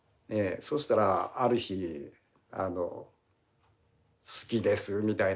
そうしたらある日「好きです」みたいなあの。